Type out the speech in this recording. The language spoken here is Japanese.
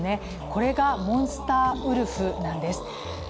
これがモンスターウルフなんです。